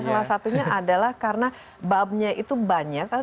salah satunya adalah karena babnya itu banyak